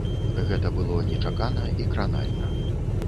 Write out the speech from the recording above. Гэта было нечакана і кранальна.